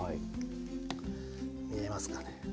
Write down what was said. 見えますかね。